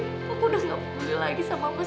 aku udah gak boleh lagi sama mas